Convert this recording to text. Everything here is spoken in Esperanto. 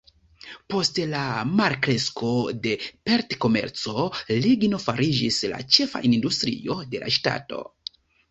Post la malkresko de pelt-komerco, ligno fariĝis la ĉefa industrio de la ŝtato.